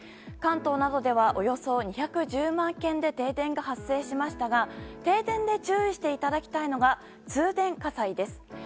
関東などではおよそ２１０万軒で停電が発生しましたが停電で注意していただきたいのが通電火災です。